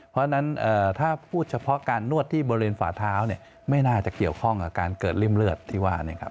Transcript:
เพราะฉะนั้นถ้าพูดเฉพาะการนวดที่บริเวณฝาเท้าเนี่ยไม่น่าจะเกี่ยวข้องกับการเกิดริ่มเลือดที่ว่านะครับ